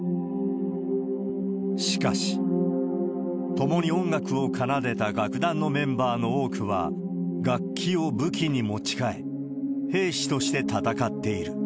しかし、共に音楽を奏でた楽団のメンバーの多くは、楽器を武器に持ち替え、兵士として戦っている。